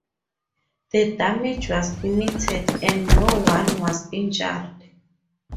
The damage was limited, and no one was injured.